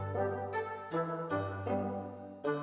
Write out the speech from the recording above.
bareng banget ya ini